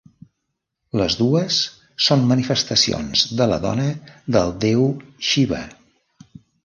Les dues són manifestacions de la dona del déu Xiva.